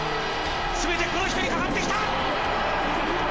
全てはこの人にかかってきた！